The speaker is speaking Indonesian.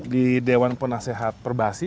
di dewan penasehat perbasi